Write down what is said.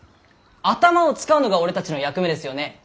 頭を使うのが俺たちの役目ですよね？